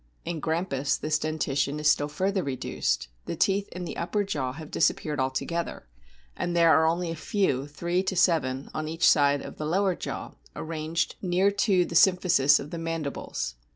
In Grampus this dentition is still further re duced ; the teeth in the upper jaw have disappeared altogether, and there are only a few, three to seven, on each side of the lower jaw, arranged near to the 70 A BOOK OF WHALES symphisis of the mandibles.